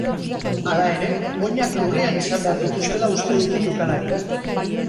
Hala ere, oinak lurrean izan behar dituztela uste dute jokalariek.